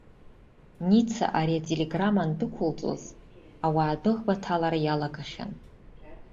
Ница ари ателеграмма андәықәылҵоз ауаа адәыӷба аҭалара иалагахьан.